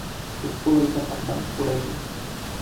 உப்பு வைத்த பாண்டம் உடையும்.